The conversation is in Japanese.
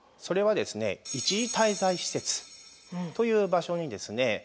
それはですね一時滞在施設という場所にですね